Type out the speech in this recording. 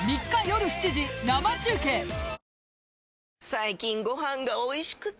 最近ご飯がおいしくて！